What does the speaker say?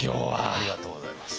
ありがとうございます。